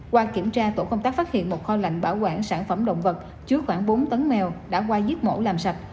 qua kiểm tra tổ công tác phát hiện một kho lạnh bảo quản sản phẩm động vật chứa khoảng bốn tấn mèo đã qua giết mổ làm sạch